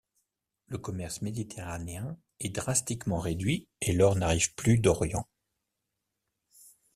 Le commerce méditerranéen est drastiquement réduit et l'or n'arrive plus d'Orient.